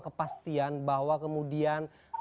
kepastian bahwa kemudian